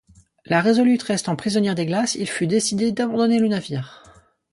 La Resolute restant prisonnière des glaces il fut décidé d’abandonner le navire.